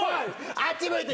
あっち向いて。